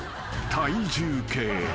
体重計］